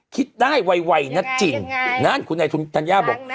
คิดได้ไวนะจินยังไงยังไงนั่นคุณไอทุนธรรยาบอก